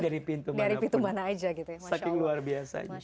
dari pintu mana saja gitu ya